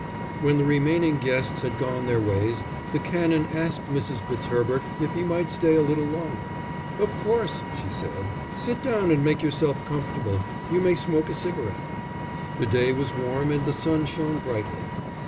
When the remaining guests had gone their ways, the Canon asked Mrs. Fitzherbert if he might stay a little longer. "Of course," she said. "Sit down and make yourself comfortable. You may smoke a cigarette." The day was warm and the sun shone brightly.